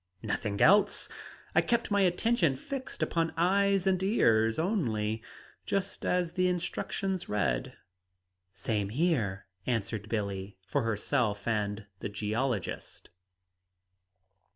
"Nothing else. I kept my attention fixed upon eyes and ears, only, just as the instructions read." "Same here," answered Billie, for herself and the geologist.